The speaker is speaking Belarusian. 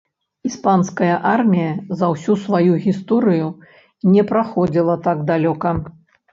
Іспанская армія за ўсю сваю гісторыю не праходзіла так далёка.